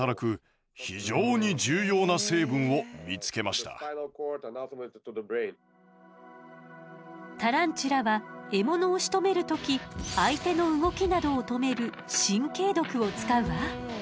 私たちはするとその中にタランチュラは獲物をしとめる時相手の動きなどを止める神経毒を使うわ。